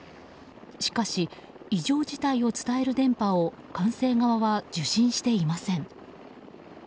しかし、異常事態を伝える電波を管制側は受信していません。